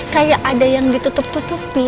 kayak ada yang ditutup tutupi